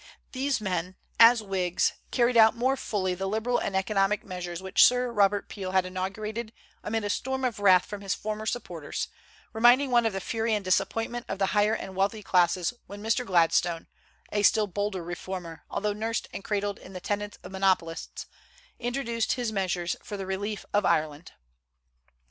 These men, as Whigs, carried out more fully the liberal and economic measures which Sir Robert Peel had inaugurated amid a storm of wrath from his former supporters, reminding one of the fury and disappointment of the higher and wealthy classes when Mr. Gladstone a still bolder reformer, although nursed and cradled in the tenets of monopolists introduced his measures for the relief of Ireland.